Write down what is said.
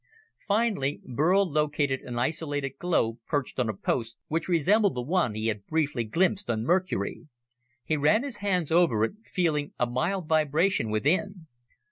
Finally, Burl located an isolated globe perched on a post, which resembled the one he had briefly glimpsed on Mercury. He ran his hands over it, feeling a mild vibration within.